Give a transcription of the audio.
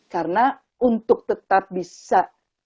karena untuk tetap bisa